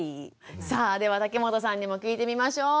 さあでは竹本さんにも聞いてみましょう。